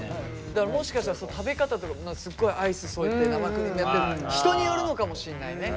だからもしかしたら食べ方とかすっごいアイス添えて生クリームやって人によるのかもしれないね。